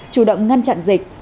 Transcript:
chủ động ngăn chặn dịch